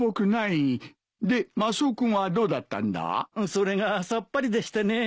それがさっぱりでしてね。